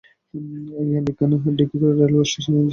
জ্ঞান বিজ্ঞান ডিব্রুগড় রেলওয়ে স্টেশন-এর নিচেই কাছে অবস্থিত।